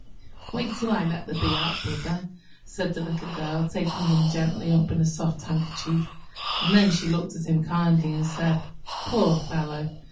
"Wait till I let the Bee out, Brother," said the little Girl, taking him gently up in a soft handkerchief; and then she looked at him kindly and said, "Poor fellow!